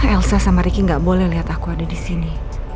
elsa sama ricky gak boleh lihat aku ada di sini